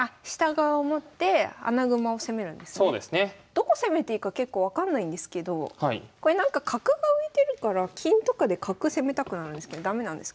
どこ攻めていいか結構分かんないんですけどこれなんか角が浮いてるから金とかで角攻めたくなるんですけど駄目なんですか？